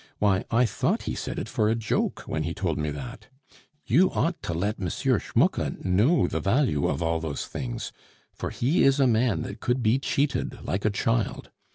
Why, I thought he said it for a joke when he told me that. You ought to let M. Schmucke know the value of all those things, for he is a man that could be cheated like a child.